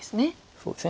そうですね